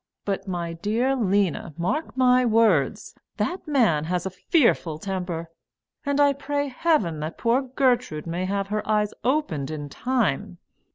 But, my dear Lena, mark my words: that man has a fearful temper; and I pray Heaven that poor Gertrude may have her eyes opened in time.